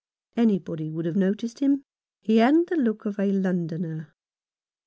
Anybody would have noticed him ; he hadn't the look of a Londoner.